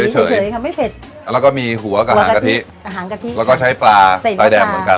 เฉยเฉยค่ะไม่เผ็ดแล้วก็มีหัวกับหางกะทิอาหารกะทิแล้วก็ใช้ปลาใส่แดงเหมือนกัน